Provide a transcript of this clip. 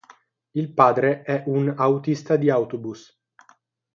Il padre è un autista di autobus.